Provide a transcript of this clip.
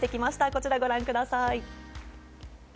こちらご覧ください。